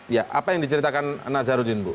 ya apa yang diceritakan nazarudin bu